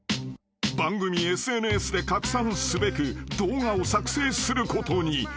［番組ＳＮＳで拡散すべく動画を作成することに。